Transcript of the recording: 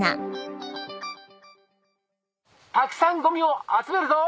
たくさんゴミを集めるぞ！